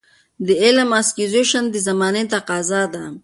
د علم Acquisition د زمانې تقاضا ده.